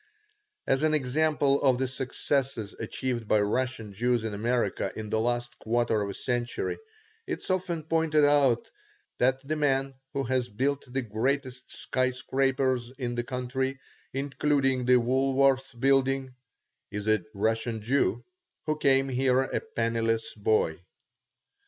As an example of the successes achieved by Russian Jews in America in the last quarter of a century it is often pointed out that the man who has built the greatest sky scrapers in the country, including the Woolworth Building, is a Russian Jew who came here a penniless boy.